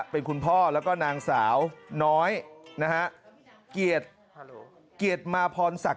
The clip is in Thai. เป็นคุณพ่อแล้วก็นางสาวน้อยนะฮะเกียรติมาพรศักดิ